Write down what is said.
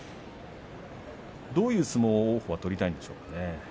どういう相撲を王鵬は取りたいんでしょうか。